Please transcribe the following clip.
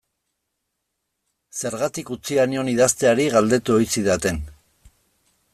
Zergatik utzia nion idazteari galdetu ohi zidaten.